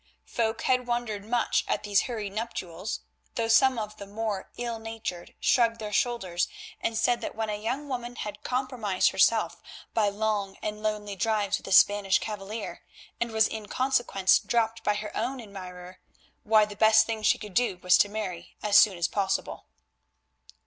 Folk had wondered much at these hurried nuptials, though some of the more ill natured shrugged their shoulders and said that when a young woman had compromised herself by long and lonely drives with a Spanish cavalier, and was in consequence dropped by her own admirer, why the best thing she could do was to marry as soon as possible.